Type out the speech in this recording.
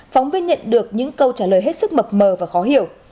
phóng viên nhận được những câu trả lời hết sức mập mờ và khó hiểu